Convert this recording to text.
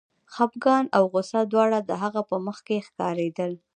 خپګان او غوسه دواړه د هغه په مخ کې ښکارېدل